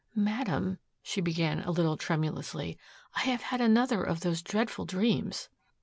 "Madame," she began a little tremulously, "I have had another of those dreadful dreams."